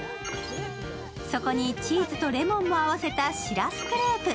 そこにチーズとレモンも合わせたしらすクレープ。